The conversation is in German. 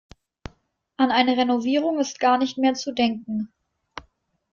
An eine Renovierung ist gar nicht mehr zu denken.